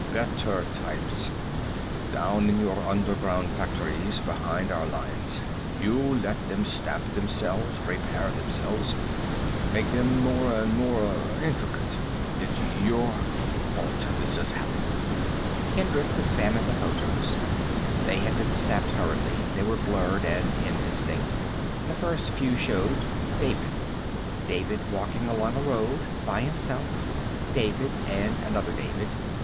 Better types. Down in your underground factories behind our lines. You let them stamp themselves, repair themselves. Made them more and more intricate. It's your fault this happened." Hendricks examined the photos. They had been snapped hurriedly; they were blurred and indistinct. The first few showed David. David walking along a road, by himself. David and another David.